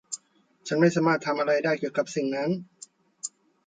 ฉันไม่สามารถทำอะไรได้เดี่ยวกับสิ่งนั้น